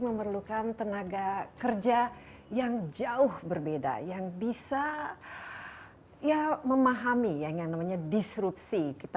memerlukan tenaga kerja yang jauh berbeda yang bisa ya memahami yang namanya disrupsi kita